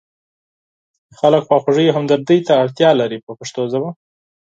خلک خواخوږۍ او همدردۍ ته اړتیا لري په پښتو ژبه.